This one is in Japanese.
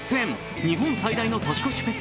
日本最大の年越しフェス